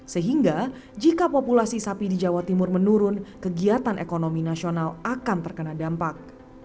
sehingga jika populasi sapi di jawa timur menurun kegiatan ekonomi nasional akan terkena dampak